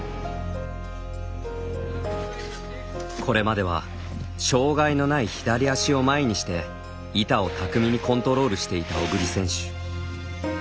これまでは障がいのない左足を前にして板を巧みにコントロールしていた小栗選手。